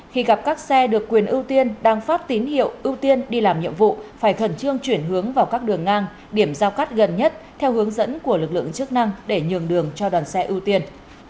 khi gặp các xe được quyền ưu tiên đang phát tín hiệu ưu tiên đi làm nhiệm vụ phải khẩn trương chuyển hướng vào các đường ngang điểm giao cắt gần nhất theo hướng dẫn của lực lượng chức năng để nhường đường cho đoàn xe ưu tiên